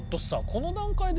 この段階で。